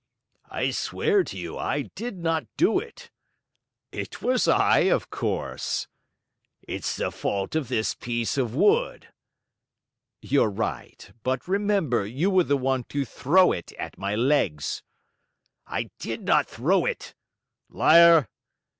"I swear to you I did not do it!" "It was I, of course!" "It's the fault of this piece of wood." "You're right; but remember you were the one to throw it at my legs." "I did not throw it!" "Liar!"